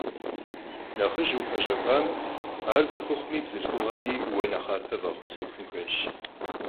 Нэхъыжь упэщӏэхуамэ, ар цӏыхухъуми бзылъхугъэми уэ нэхъапэ фӏэхъус епхын хуейщ.